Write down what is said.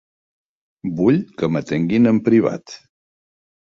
Vull que m'atenguin en privat.